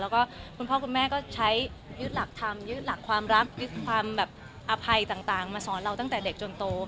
แล้วก็คุณพ่อคุณแม่ก็ใช้ยึดหลักธรรมยึดหลักความรักยึดความแบบอภัยต่างมาสอนเราตั้งแต่เด็กจนโต